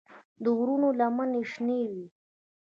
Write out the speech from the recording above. د غرونو لمنې شنه وې.